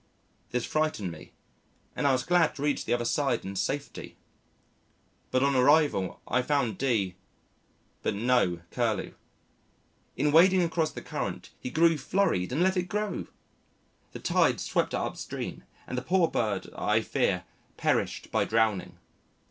This frightened me, and I was glad to reach the other side in safety. But on arrival I found D , but no Curlew. In wading across the current, he grew flurried and let it go. The tide swept it upstream, and the poor bird, I fear, perished by drowning....